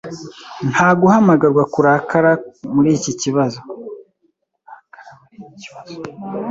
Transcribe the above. Nta guhamagarwa kurakara kuri iki kibazo.